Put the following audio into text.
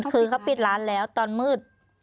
คืนเขาปิดร้านแล้วตอนมืด